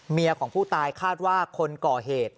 ของผู้ตายคาดว่าคนก่อเหตุ